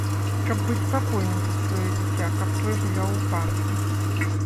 Каб быць спакойным за сваё дзіця, каб той гуляў у парку.